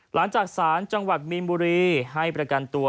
หลังจากศาลจังหวัดมีนบุรีให้ประกันตัว